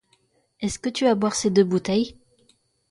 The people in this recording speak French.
Est-ce que tu vas boire ces deux bouteilles?